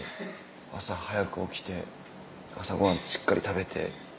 朝早く起きて朝ご飯しっかり食べて。